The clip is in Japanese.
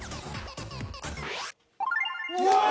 うわ！